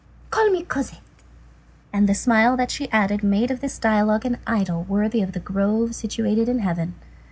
Call me Cosette." And the smile that she added made of this dialogue an idyl worthy of a grove situated in heaven.